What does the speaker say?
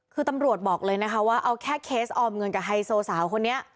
คือตำรวจบอกเลยนะคะว่าเอาแค่เคสออมเงินกับไฮโซสาวคนนี้